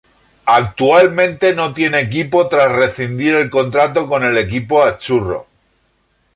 Actualmente no tiene equipo tras rescindir el contrato con el equipo azzurro.